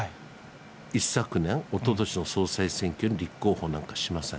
一昨年、おととしの総裁選挙に立候補なんかしません。